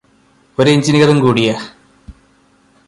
ഒരു എഞ്ചിനീയറും കൂടിയാ